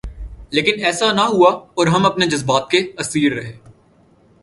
لیکن ایسا نہ ہوا اور ہم اپنے جذبات کے اسیر رہے۔